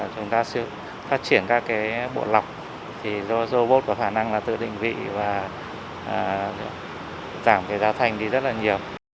chúng ta sẽ phát triển các bộ lọc robot có khả năng tự định vị và giảm giao thanh rất nhiều